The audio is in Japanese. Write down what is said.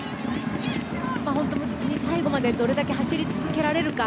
本当、最後までどれだけ走り続けられるか。